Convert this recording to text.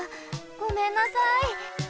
ごめんなさい！